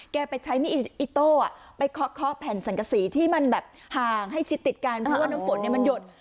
ไปใช้อิโต้ไปเคาะแผ่นสังกษีที่มันแบบห่างให้ชิดติดกันเพราะว่าน้ำฝนมันหยด